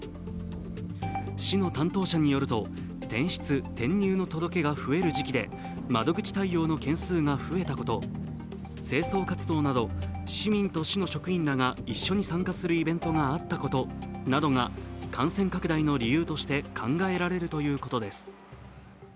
市の担当者によると転出・転入の届けが増える時期で、窓口対応の件数が増えたこと、清掃活動など市民との市の職員らが一緒に参加するイベントがあったことなどが感染拡大の理由として考えられるということです。